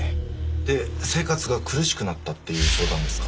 で生活が苦しくなったっていう相談ですか？